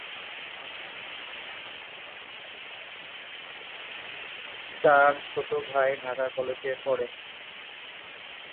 তার ছোট ভাই ঢাকা কলেজে পড়ে।